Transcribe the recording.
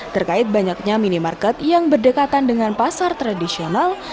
terkait banyaknya minimarket yang berdekatan dengan pasar tradisional